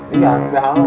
iya sudah kalau